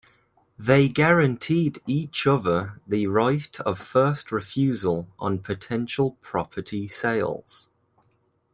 They guaranteed each other the right of first refusal on potential property sales.